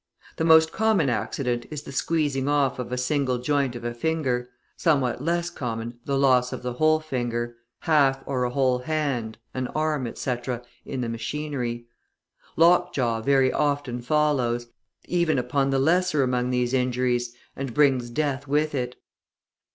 The most common accident is the squeezing off of a single joint of a finger, somewhat less common the loss of the whole finger, half or a whole hand, an arm, etc., in the machinery. Lockjaw very often follows, even upon the lesser among these injuries, and brings death with it.